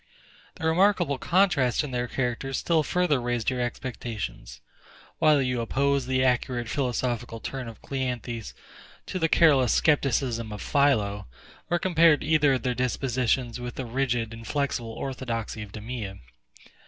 The remarkable contrast in their characters still further raised your expectations; while you opposed the accurate philosophical turn of CLEANTHES to the careless scepticism of PHILO, or compared either of their dispositions with the rigid inflexible orthodoxy of DEMEA.